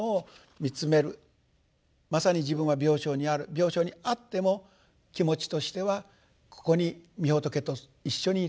まさに自分は病床にある病床にあっても気持ちとしてはここにみ仏と一緒にいる。